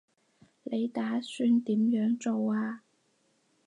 你打算點樣做啊